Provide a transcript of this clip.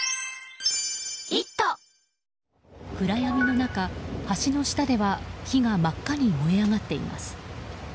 暗闇の中、橋の下では火が真っ赤に燃え上っています。